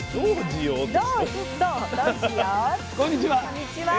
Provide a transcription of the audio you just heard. こんにちは。